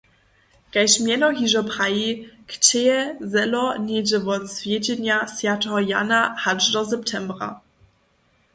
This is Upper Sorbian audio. Kaž mjeno hižo praji, kćěje zelo něhdźe wot swjedźenja swjateho Jana hač do septembra.